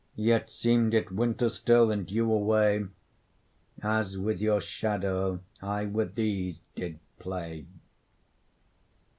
Yet seem'd it winter still, and you away, As with your shadow I with these did play.